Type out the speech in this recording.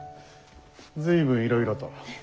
随分いろいろと。